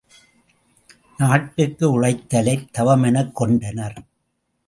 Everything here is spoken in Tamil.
நாட்டுக்கு உழைத்தலைத் தவமெனக் கொண்டனர்.